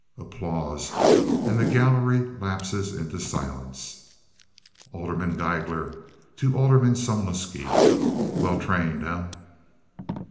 (Applause, and the gallery lapses into silence.) Alderman Guigler (to Alderman Sumulsky). "Well trained, eh?"